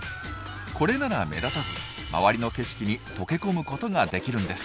これなら目立たず周りの景色に溶け込むことができるんです。